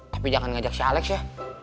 tapi jangan ngajak si alex ya